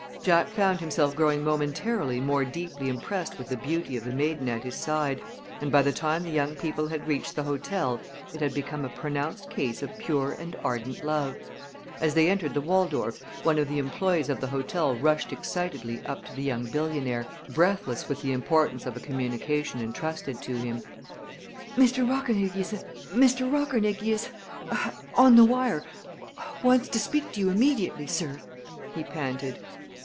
Jack found himself growing momentarily more deeply impressed with the beauty of the maiden at his side, and by the time the young people had reached the hotel it had become a pronounced case of pure and ardent love. As they entered the Waldorf one of the employees of the hotel rushed excitedly up to the young billionaire, breathless with the importance of a communication intrusted to him. "Mr. Rockernegie is on the wire wants to speak to you immediately, sir," he panted.